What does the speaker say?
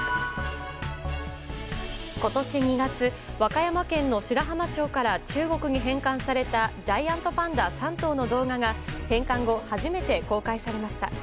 今年２月、和歌山県の白浜町から中国に返還されたジャイアントパンダ３頭の動画が返還後初めて公開されました。